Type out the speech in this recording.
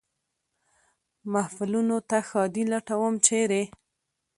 محفلونو ته ښادي لټوم ، چېرې ؟